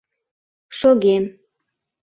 Шогем.